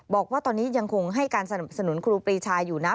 บอกว่าตอนนี้ยังคงให้การสนับสนุนครูปรีชาอยู่นะ